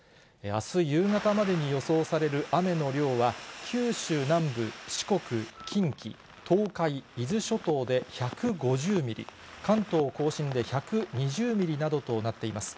あす夕方までに予想される雨の量は、九州南部、四国、近畿、東海、伊豆諸島で１５０ミリ、関東甲信で１２０ミリなどとなっています。